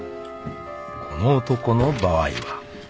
［この男の場合は］